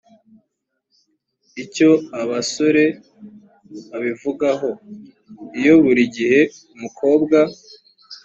icyo abasore babivugaho, iyo buri gihe umukobwa